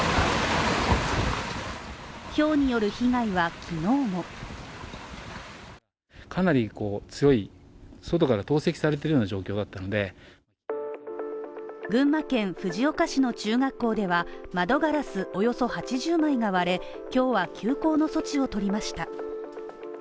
ひょうによる被害は昨日も群馬県藤岡市の中学校では、窓ガラス、およそ８０枚が割れ、今日は休校の措置をとりました。